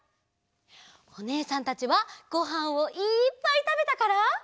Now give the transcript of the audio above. おねえさんたちはごはんをいっぱいたべたから。